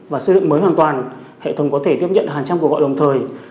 và xây dựng mới hoàn toàn hệ thống có thể tiếp nhận hàng trăm cuộc gọi đồng thời